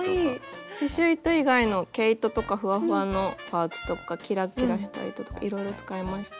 刺しゅう糸以外の毛糸とかふわふわのパーツとかキラキラした糸とかいろいろ使いました。